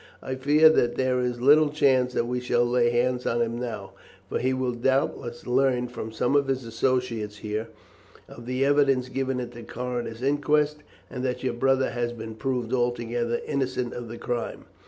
I fear that there is little chance that we shall lay hands on him now, for he will doubtless learn from some of his associates here of the evidence given at the coroner's inquest, and that your brother has been proved altogether innocent of the crime.